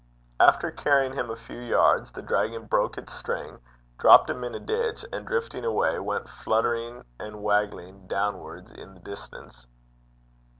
After carrying him a few yards, the dragon broke its string, dropped him in a ditch, and, drifting away, went fluttering and waggling downwards in the distance.